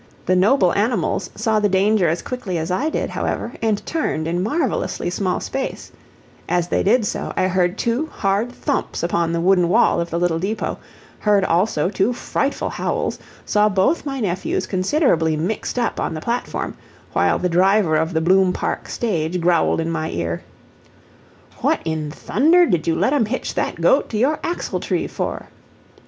The noble animals saw the danger as quickly as I did, however, and turned in marvelously small space; as they did so, I heard two hard thumps upon the wooden wall of the little depot, heard also two frightful howls, saw both my nephews considerably mixed up on the platform, while the driver of the Bloom Park stage growled in my ear: "What in thunder did you let 'em hitch that goat to your axle tree for?"